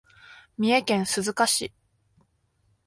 三重県鈴鹿市